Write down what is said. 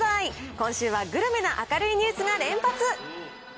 今週はグルメな明るいニュースが連発。